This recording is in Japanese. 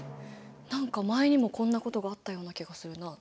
何か前にもこんなことがあったような気がするな。